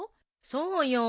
そうよ。